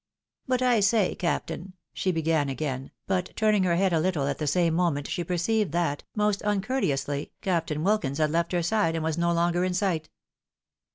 " But I say, captain," she began again, but turning her head / a little at the same moment, she perceived that, most uncourte ' ously, Captain WUkins had left her side, and was no longer iir sight.